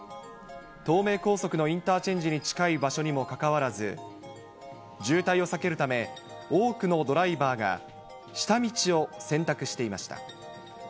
東名高速のインターチェンジに近い場所にもかかわらず、渋滞を避けるため、多くのドライバーが下道を選択していました。